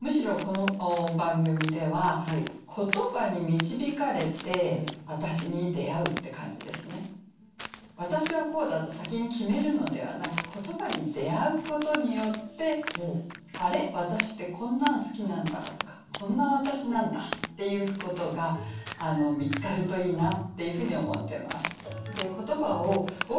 むしろこの番組では「私はこうだぞ」先に決めるのではなく言葉に出会うことによって「あれ？私ってこんなん好きなんだ」とか「こんな私なんだ」っていうことが見つかるといいなっていうふうに思ってます。